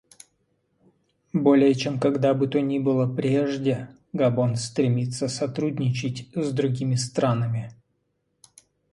Более чем когда бы то ни было прежде Габон стремится сотрудничать с другими странами.